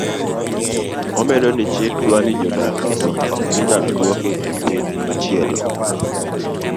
Omedo ni chik dwani jodak go inyalo duoki epiny machielo